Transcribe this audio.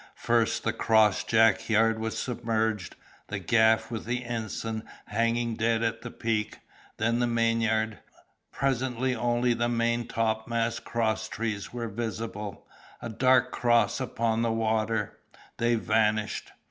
First the cross jack yard was submerged, the gaff with the ensign hanging dead at the peak, then the main yard; presently only the main topmast cross trees were visible, a dark cross upon the water; they vanished.